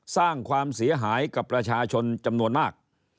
สร้างความเสียหายกับประชาชนจำนวนมาก